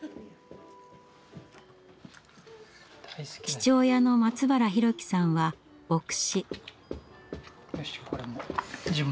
父親の松原宏樹さんは牧師。